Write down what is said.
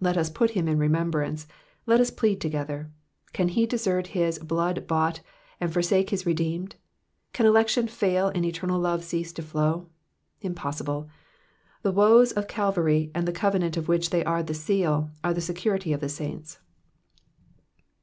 Let us put him in remembrance, let us plead together. Can he desert his blood bought and forsake his redeemed ? Can election fail and eternal love cease to flow ? Impossible. The woes of Calvary, and the covenant of which they are the seal, are the security of the saints.